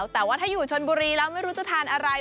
แต่ว่าถ้าอยู่ชนบุรีแล้วไม่รู้จะทานอะไร